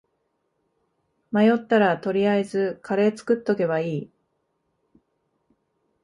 迷ったら取りあえずカレー作っとけばいい